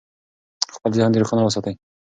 خپل ذهن روښانه وساتئ.